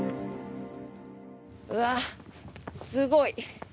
うわ、すごい。